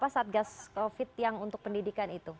satgas covid yang untuk pendidikan itu